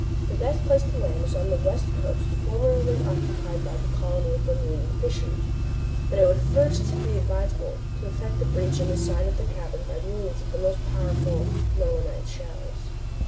"The best place to land is on the west coast formerly occupied by the colony of Bermudan fishers; but it would first be advisable to effect a breach in the side of the cavern by means of the most powerful melinite shells.